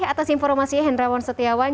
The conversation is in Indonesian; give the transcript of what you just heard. terima kasih informasi hendrawan setiawan